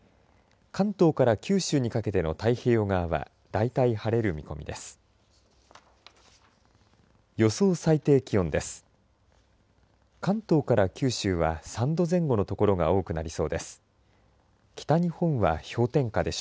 関東から九州にかけての太平洋側は大体晴れる見込みです。